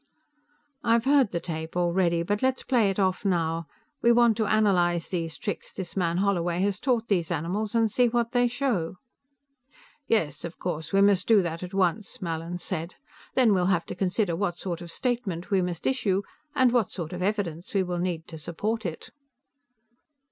"I've heard the tape already, but let's play if off now. We want to analyze these tricks this man Holloway has taught these animals, and see what they show." "Yes, of course. We must do that at once," Mallin said. "Then we'll have to consider what sort of statement we must issue, and what sort of evidence we will need to support it."